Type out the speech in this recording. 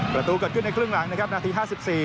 ประตูเกิดขึ้นในครึ่งหลังนะครับนาทีห้าสิบสี่